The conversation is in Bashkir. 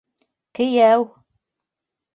Кейәү!